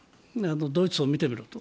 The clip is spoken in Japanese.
ドイツを見てみろと。